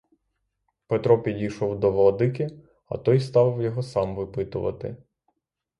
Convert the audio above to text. Петро підійшов до владики, а той став його сам випитувати.